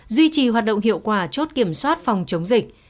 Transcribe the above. duy trì hoạt động hiệu quả chốt kiểm soát phòng chống dịch